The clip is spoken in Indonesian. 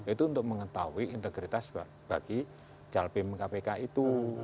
itu untuk mengetahui integritas bagi jal pimpin kpk itu